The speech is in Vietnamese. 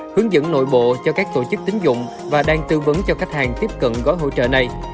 hướng dẫn nội bộ cho các tổ chức tính dụng và đang tư vấn cho khách hàng tiếp cận gói hỗ trợ này